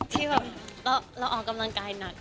ที่แบบเราออกกำลังกายหนัก